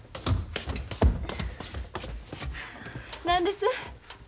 何です？